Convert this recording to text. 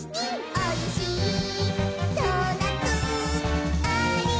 「おいしいドーナツありますよ」